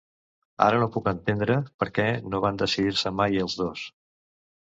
Ara no puc entendre per què no van decidir-se mai els dos.